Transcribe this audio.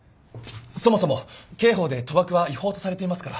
そもそも刑法で賭博は違法とされていますから。